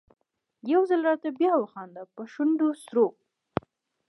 يو ځل راته بیا وخانده په شونډو سرو